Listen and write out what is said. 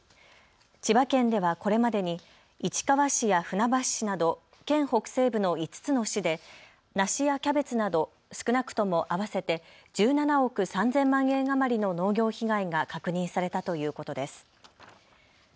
千葉県ではこれまでに市川市や船橋市など県北西部の５つの市で梨やキャベツなど少なくとも合わせて１７億３０００万円余りの農業被害が確認されたということです。